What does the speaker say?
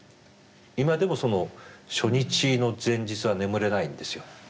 今でもその初日の前日は眠れないんですよ。